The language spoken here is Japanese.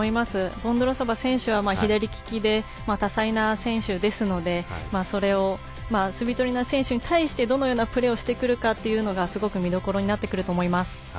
ボンドロウソバ選手は左利きで多彩な選手ですのでそれをスビトリーナ選手に対してどのようなプレーをしてくるかがすごく見どころになってくると思います。